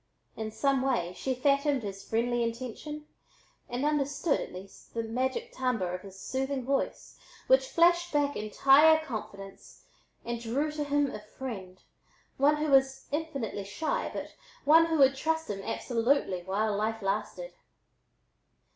In some way she fathomed his friendly intention and understood, at least, the magic timbre of his soothing voice which flashed back entire confidence and drew to him a friend, one who was infinitely shy, but one who would trust him absolutely while life lasted.